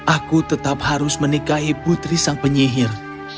aku tetap harus menikahi putri sang penyihir